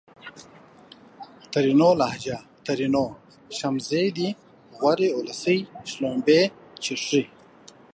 ترينو لهجه ! ترينو : شمزې دي غورې اولسۍ :شلومبې چښې